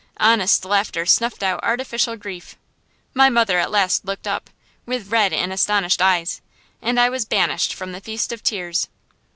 Honest laughter snuffed out artificial grief. My mother at last looked up, with red and astonished eyes, and I was banished from the feast of tears.